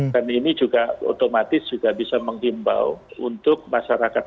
dan ini juga otomatis juga bisa menghimbau untuk masyarakat masyarakat